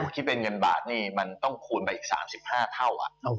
ที่เป็นเงินบาทนี่มันต้องคูณไปอีก๓๕เท่า